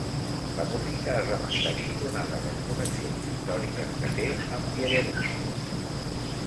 La música es va mantenir donades les connexions històriques que té amb Bielorússia.